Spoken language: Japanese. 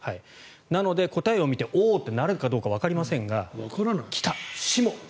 なので、答えを見ておーっとなるかどうかわかりませんが志茂。